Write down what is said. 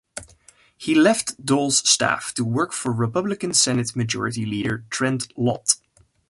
He left Dole's staff to work for Republican Senate Majority Leader Trent Lott.